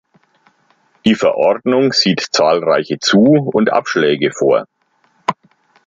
Die Verordnung sieht zahlreiche Zu- und Abschläge vor.